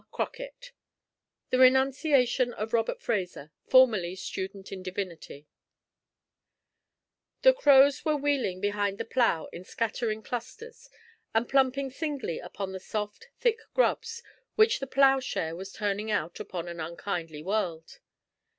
CROCKETT THE RENUNCIATION OP ROBERT FRASER, FORMERLY STUDENT IN DIVINITY The crows were wheeling behind the plough in scattering clusters, and plumping singly upon the soft, thick grubs which the ploughshare was turning out upon an unkindly world.